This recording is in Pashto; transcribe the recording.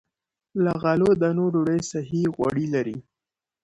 له غلو- دانو ډوډۍ صحي غوړي لري.